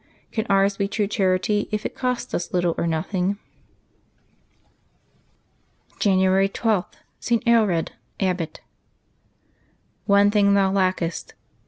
Can ours be true charity if it costs us little or nothing ? January 12.— ST. AELRED, Abbot. /^NE thing thou lackest."